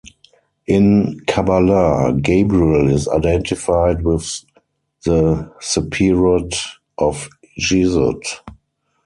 In Kabbalah, Gabriel is identified with the sephirot of Yesod.